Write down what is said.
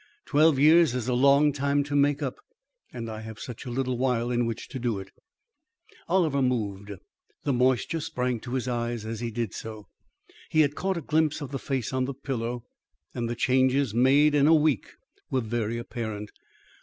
Twelve years is a long time to make up, and I have such a little while in which to do it." Oliver moved. The moisture sprang to his eyes as he did so. He had caught a glimpse of the face on the pillow and the changes made in a week were very apparent.